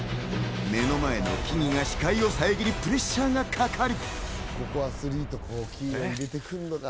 目の前の木々が視界を遮りプレッシャーがかかる。